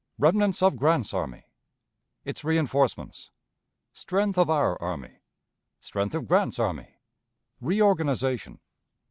Remnants of Grant's Army. Its Reënforcements. Strength of our Army. Strength of Grant's Army. Reorganization.